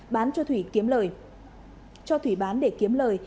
bán cho thủy kiếm lời